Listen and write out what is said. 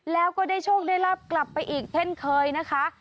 แล้วก็ได้โชคได้รับกลับไปอีกเช่นเคยนะคะ